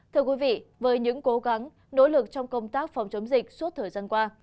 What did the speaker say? thưa quý vị với những cố gắng nỗ lực trong công tác phòng chống dịch suốt thời gian qua